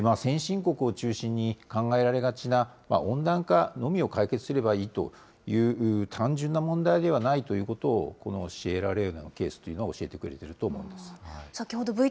先進国を中心に考えられがちな温暖化のみを解決すればいいという単純な問題ではないということをこのシエラレオネのケースというのは教えてくれていると思うんです。